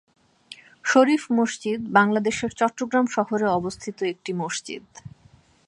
শরীফ মসজিদ বাংলাদেশের চট্টগ্রাম শহরে অবস্থিত একটি মসজিদ।